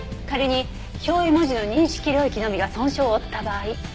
仮に表意文字の認識領域のみが損傷を負った場合。